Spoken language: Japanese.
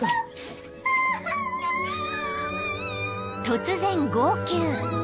［突然号泣］